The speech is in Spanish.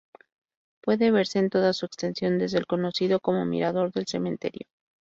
Puede verse en toda su extensión desde el conocido como "Mirador del Cementerio".